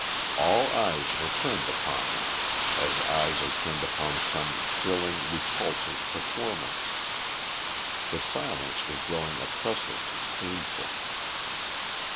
All eyes were turned upon them as eyes are turned upon some thrilling, repulsive performance. The silence was growing oppressive and painful.